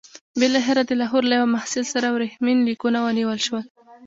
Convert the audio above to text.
بالاخره د لاهور له یوه محصل سره ورېښمین لیکونه ونیول شول.